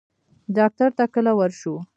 ډاکټر ته کله ورشو؟